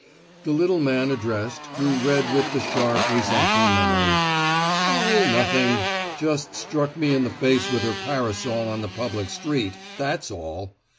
The little man addressed grew red with the sharp, resentful memory. "Oh, nothing! Just struck me in the face with her parasol on the public street, that's all!"